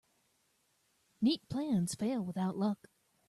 Neat plans fail without luck.